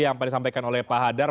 yang tadi disampaikan oleh pak hadar